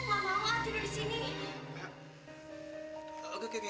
mau mauan tidur di sini